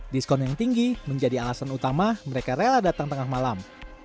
diskon yang tinggi menjadi alasan utama mereka rela datang tengah malam